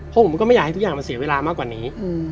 เพราะผมก็ไม่อยากให้ทุกอย่างมันเสียเวลามากกว่านี้